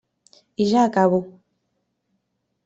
I ja acabo.